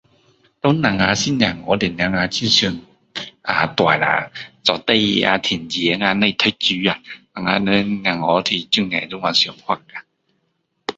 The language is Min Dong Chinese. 当我们是孩子时候很想大了做事情啊赚钱啊不用读书我们人孩子都会有这样想法